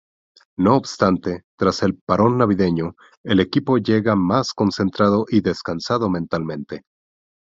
No obstante, tras el parón navideño el equipo llega más concentrado y descansado mentalmente.